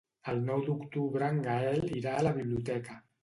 El nou d'octubre en Gaël irà a la biblioteca.